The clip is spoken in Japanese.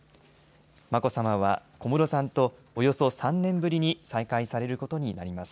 眞子さまは小室さんとおよそ３年ぶりに再会されることになります。